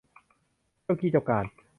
เจ้ากี้เจ้าการ